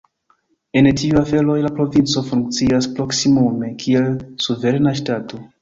En tiuj aferoj la provinco funkcias proksimume kiel suverena ŝtato.